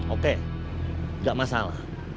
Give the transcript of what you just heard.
oke gak masalah